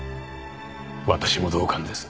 私も同感です。